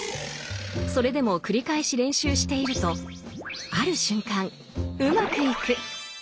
それでも繰り返し練習しているとある瞬間うまくいく。